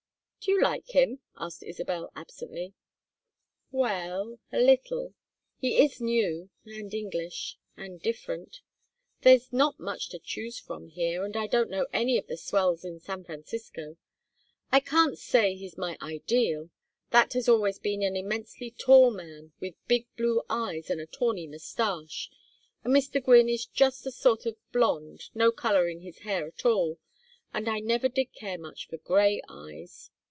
"Do you like him?" asked Isabel, absently. "Well a little. He is new, and English, and different. There's not much to choose from here, and I don't know any of the swells in San Francisco. I can't say he is my ideal that has always been an immensely tall man with big blue eyes and a tawny moustache; and Mr. Gwynne is just a sort of blond, no color in his hair at all, and I never did care much for gray eyes.